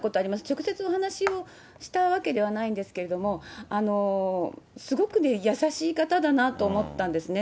直接お話しをしたわけではないんですけれども、すごくね、優しい方だなと思ったんですね。